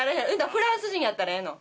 フランス人やったらええの？